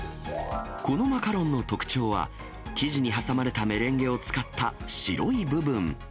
このマカロンの特徴は、生地に挟まれたメレンゲを使った白い部分。